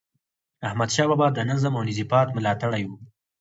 احمدشاه بابا د نظم او انضباط ملاتړی و.